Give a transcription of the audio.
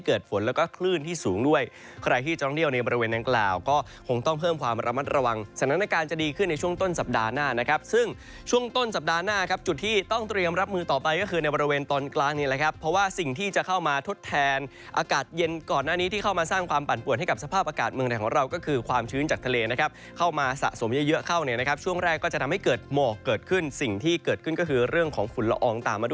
คงต้องเพิ่มความระมัดระวังสถานการณ์จะดีขึ้นในช่วงต้นสัปดาห์หน้านะครับซึ่งช่วงต้นสัปดาห์หน้าครับจุดที่ต้องเตรียมรับมือต่อไปก็คือในบริเวณตอนกลางนี้นะครับเพราะว่าสิ่งที่จะเข้ามาทดแทนอากาศเย็นก่อนหน้านี้ที่เข้ามาสร้างความปั่นปวดให้กับสภาพอากาศเมืองของเราก็คือความชื้น